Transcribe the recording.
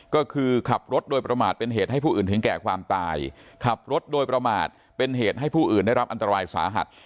ก็คือขับรถโดยประมาทเป็นเหตุให้ผู้อื่นถึงแก่ความตายขับรถโดยประมาทเป็นเหตุให้ผู้อื่นได้รับอันตรายสาหัส